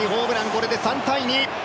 これで３−２。